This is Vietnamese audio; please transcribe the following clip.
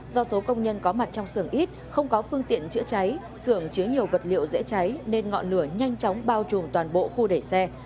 do số công nhân có mặt trong xưởng ít không có phương tiện chữa cháy xưởng chứa nhiều vật liệu dễ cháy nên ngọn lửa nhanh chóng bao trùm toàn bộ khu để xe